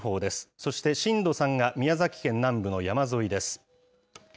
そして震度３が宮崎県南部の山沿いです。